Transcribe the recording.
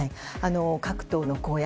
各党の公約